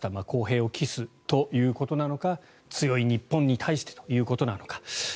公平を期すということなのか強い日本に対してということなのか。